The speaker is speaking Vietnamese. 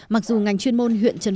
mặc dù ngành chuyên môn huyện trần sơn